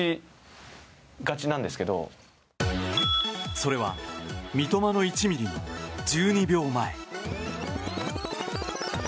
それは三笘の１ｍｍの１２秒前。